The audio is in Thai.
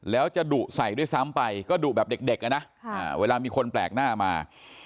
แล้วจะดุใส่ด้วยซ้ำไปก็ดุแบบเด็กนะเวลามีคนแปลกหน้ามา